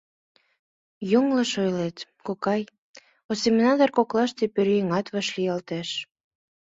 — Йоҥылыш ойлет, кокай, осеменатор коклаште пӧръеҥат вашлиялтеш.